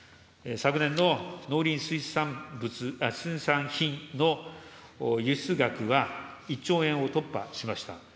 昨年の農林水産品の輸出額は１兆円を突破しました。